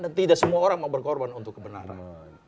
dan tidak semua orang mau berkorban untuk kebenaran